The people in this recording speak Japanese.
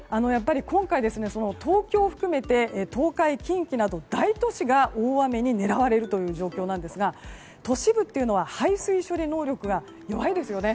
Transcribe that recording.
今回、東京含めて東海・近畿など大都市が大雨に狙われる状況なんですが都市部というのは排水処理能力が弱いですよね。